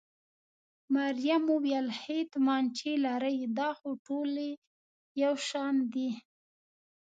مريم وویل: ښې تومانچې لرئ؟ دا خو ټولې یو شان دي.